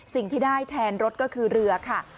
สิ่งที่ได้แทนรถก็คือเรือค่ะ